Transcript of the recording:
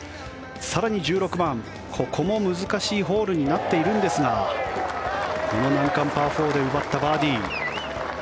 更に１６番、ここも難しいホールになっているんですがこの難関パー４で奪ったバーディー。